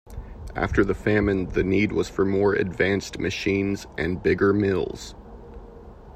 After the famine the need was for more advanced machines and bigger mills.